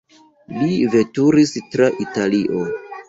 Li veturis tra Italio.